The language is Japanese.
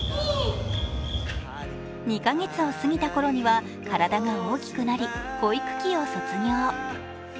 ２カ月を過ぎたころには、体が大きくなり、保育器を卒業。